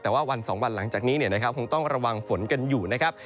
แต่ว่าวัน๒วันหลังจากนี้คงต้องระวังฝนกันอยู่นะครับ